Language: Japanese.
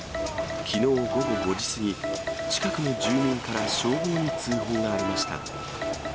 きのう午後５時過ぎ、近くの住民から消防に通報がありました。